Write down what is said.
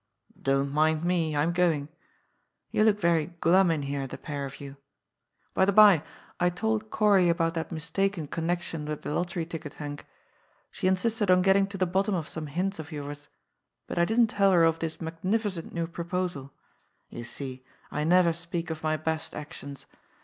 Don't mind me. I'm going. You look very glum in here, the pair of you. By the bye, I told Corry about that mistake in connection with the lottery ticket, Henk. She insisted on getting to the bottom of some hints of yours. But I didn't tell her of this magnificent new pro posal. You see, I never speak of my best actions.